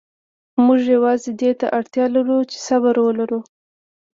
موږ یوازې دې ته اړتیا لرو چې صبر ولرو.